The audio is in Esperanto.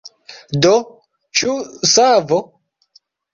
Do, ĉu savo?